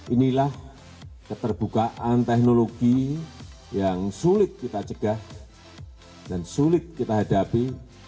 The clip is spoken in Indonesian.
inilah keterbukaan teknologi yang sulit kita cegah dan sulit kita hadapi